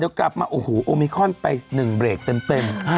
โอโหมิคินน์ไป๑เบรกเต็ม